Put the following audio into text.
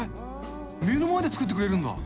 目の前で作ってくれるんだ。